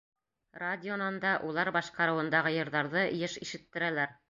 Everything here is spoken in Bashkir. Радионан да улар башҡарыуындағы йырҙарҙы йыш ишеттерәләр.